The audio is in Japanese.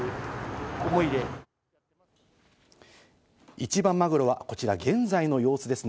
一番マグロはこちら現在の様子ですね。